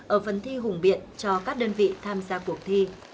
ở phần thi hùng biện cho các đơn vị tham gia cuộc thi